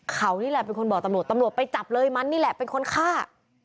เขานี่แหละเป็นคนบอกตำรวจตำรวจไปจับเลยมันนี่แหละเป็นคนฆ่า